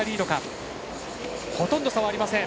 ほとんど差はありません。